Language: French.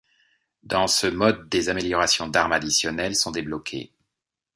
Dans ce mode des améliorations d'armes additionnelles sont débloquées.